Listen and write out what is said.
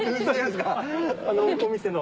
お店の。